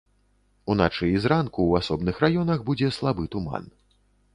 Уначы і зранку ў асобных раёнах будзе слабы туман.